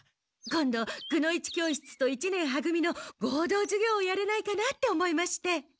今度くの一教室と一年は組の合同授業をやれないかなって思いまして。